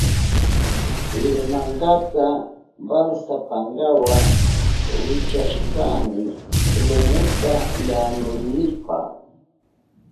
Irmankata walsa pankawa wichkashkani lumuta yanunaynipa.